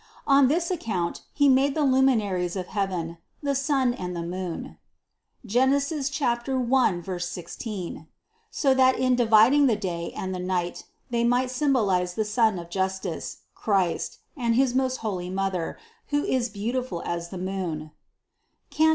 On this account He made the luminaries of heaven, the sun and the moon (Gen. 1, 16) so that in dividing the day and the night, they might symbolize the Sun of justice, Christ, and his most holy Mother, who is beautiful as the moon (Cant.